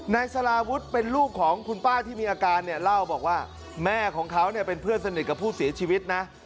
นายสาราวุฒิเป็นลูกของคุณป้าที่มีอาการเนี่ยเล่าบอกว่าแม่ของเขาเนี่ยเป็นเพื่อนสนิทกับผู้เสียชีวิตนะ